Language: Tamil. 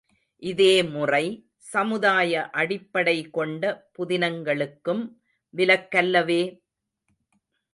இதே முறை, சமுதாய அடிப்படை கொண்ட புதினங்களுக்கும் விலக்கல்லவே!